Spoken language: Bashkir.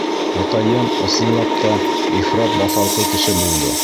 — Атайым, ысынлап та, ифрат баҫалҡы кеше булды.